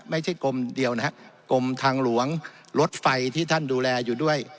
ไม่ใช่กรมเดียวนะฮะกรมทางหลวงรถไฟที่ท่านดูแลอยู่ด้วย